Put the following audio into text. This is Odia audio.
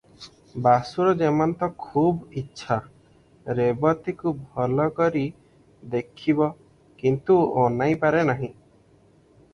ବାସୁର ଯେମନ୍ତ ଖୁବ୍ ଇଚ୍ଛା – ରେବତୀକୁ ଭଲକରି ଦେଖିବ; କିନ୍ତୁ ଅନାଇପାରେ ନାହିଁ ।